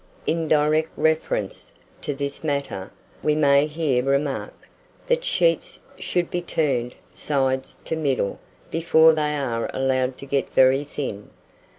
In direct reference to this matter, we may here remark, that sheets should be turned "sides to middle" before they are allowed to get very thin.